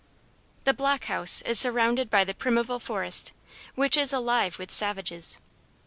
The block house is surrounded by the primeval forest, which is alive with savages.